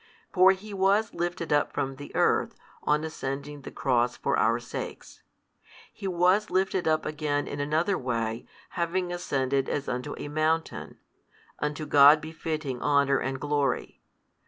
For He was lifted up from the earth, on ascending the Cross for our sakes; He was lifted up again in another way having ascended as unto a mountain, unto God befitting honour and glory.